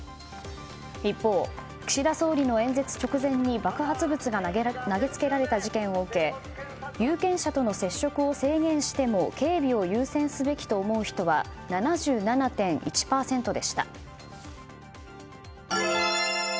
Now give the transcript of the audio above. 一方、岸田総理の演説直前に爆発物が投げつけられた事件を受け有権者との接触を制限しても警備を優先すべきと思う人は７７．１％でした。